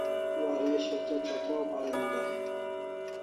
Waresho te chatraw parin e?